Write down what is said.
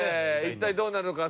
一体どうなるのか？